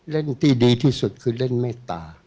เล่นที่ดีที่สุดคือเล่นเมตตา